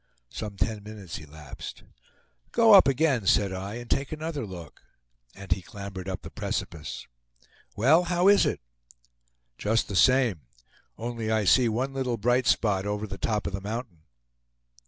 Some ten minutes elapsed. "Go up again," said I, "and take another look;" and he clambered up the precipice. "Well, how is it?" "Just the same, only I see one little bright spot over the top of the mountain."